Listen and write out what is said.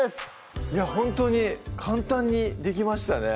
ほんとに簡単にできましたね